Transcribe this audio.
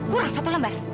kurang satu lembar